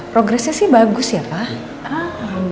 progresnya sih bagus ya pak